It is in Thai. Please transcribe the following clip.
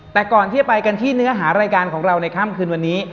แต่ก่อนที่จะไปกันที่เนื้อหารายการของเราในค่ำคืนวันนี้